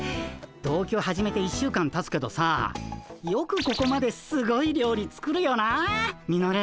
同居始めて１週間たつけどさよくここまですごい料理作るよなあミノル。